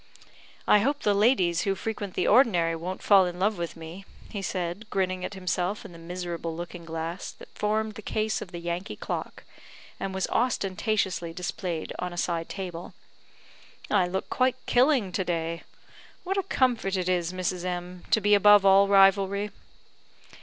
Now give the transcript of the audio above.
"I hope the ladies who frequent the ordinary won't fall in love with me," said he, grinning at himself in the miserable looking glass that formed the case of the Yankee clock, and was ostentatiously displayed on a side table; "I look quite killing to day. What a comfort it is, Mrs. M , to be above all rivalry."